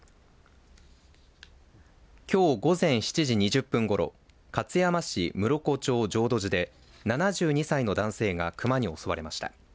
きょう午前７時２０分ごろ勝山市村岡町浄土寺で７２歳の男性がクマに襲われました。